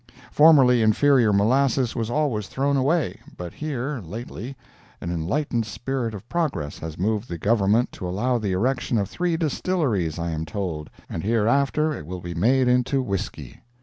Formerly inferior molasses was always thrown away, but here, lately, an enlightened spirit of progress has moved the Government to allow the erection of three distilleries I am told, and hereafter it will be made into whisky.